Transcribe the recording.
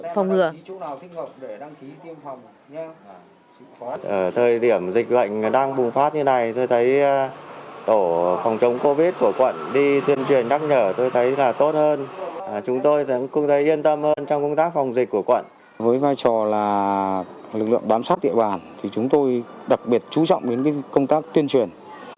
với vai trò là lực lượng bám sát địa bàn thì chúng tôi đặc biệt chú trọng đến công tác tuyên truyền